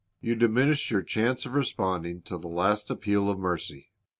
You diminish your chance of responcling to the last appeal of mercy.